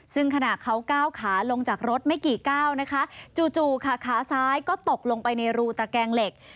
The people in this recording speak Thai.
ซึ่งขณะเขาก้าวขาลงจากรถไม่กี่ก้าวนะคะจู่ค่ะขาซ้ายก็ตกลงไปในรูตะแกงเหล็ก